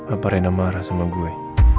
apa rena marah sama gue